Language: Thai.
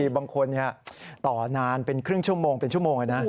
บางคนต่อนานเป็นครึ่งชั่วโมงเป็นชั่วโมง